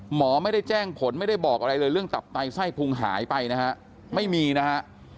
หมอไม่ได้แจ้งผลไม่ได้บอกอะไรเลยเรื่องตับไตไส้พุงหายไปนะฮะไม่มีนะฮะ